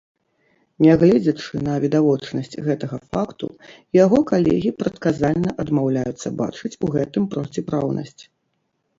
Нягледзячы на відавочнасць гэтага факту, яго калегі прадказальна адмаўляюцца бачыць у гэтым проціпраўнасць.